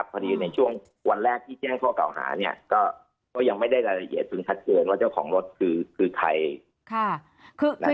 พอดีในช่วงวันแรกที่แจ้งเขาก่อนหาก็ยังไม่ได้รายละเอียดสนชัดเกินว่าเจ้าของรถคือใคร